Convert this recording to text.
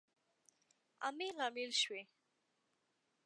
امیل، امیل شوی